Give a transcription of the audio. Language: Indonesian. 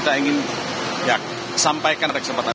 kita ingin sampaikan pada kesempatan ini